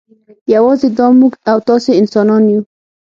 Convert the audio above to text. یوازې دا موږ او تاسې انسانان یو.